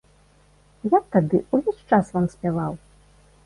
Я б тады увесь час вам спяваў!